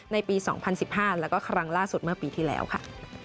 ในปี๒๐๑๕แล้วก็ครั้งล่าสุดเมื่อปีที่แล้วค่ะ